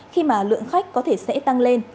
khi mà lượng khách có thể sẽ tăng lên